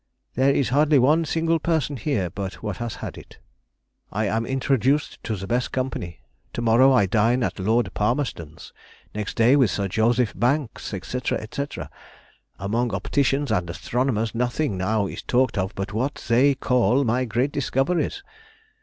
There is hardly one single person here but what has had it. I am introduced to the best company. To morrow I dine at Lord Palmerston's, next day with Sir Joseph Banks, &c., &c. Among opticians and astronomers nothing now is talked of but what they call my great discoveries.